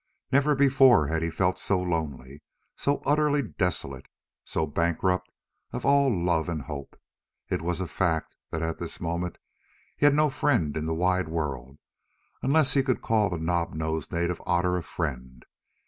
Never before had he felt so lonely, so utterly desolate, so bankrupt of all love and hope. It was a fact that at this moment he had no friend in the wide world, unless he could call the knob nosed native Otter a friend.